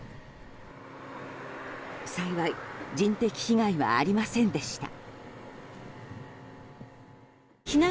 幸い、人的被害はありませんでした。